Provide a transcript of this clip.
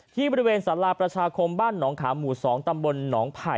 ที่บริเวณสาราประชาคมบ้านหนองขามหมู่๒ตำบลหนองไผ่